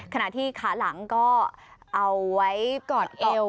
ขณะที่ขาหลังก็เอาไว้กอดเอว